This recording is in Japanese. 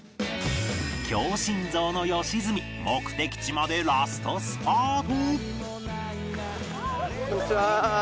強心臓の良純目的地までラストスパート